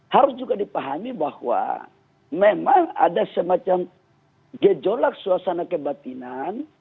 harus juga dipahami bahwa memang ada semacam gejolak suasana kebatinan